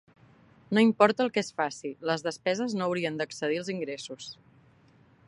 No importa el que es faci, les despeses no haurien d'excedir els ingressos.